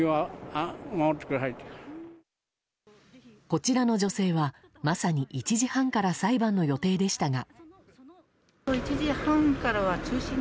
こちらの女性はまさに１時半から裁判の予定でしたが。